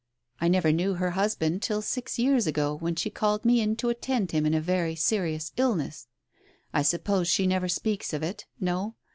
I never knew her husband till six years ago, when she called me in to attend him in a very serious illness. I suppose she never speaks of it? No